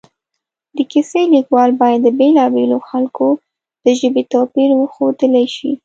د کیسې لیکوال باید د بېلا بېلو خلکو د ژبې توپیر وښودلی شي